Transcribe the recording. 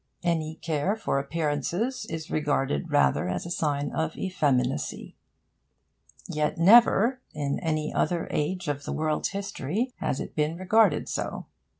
Any care for appearances is regarded rather as a sign of effeminacy. Yet never, in any other age of the world's history, has it been regarded so.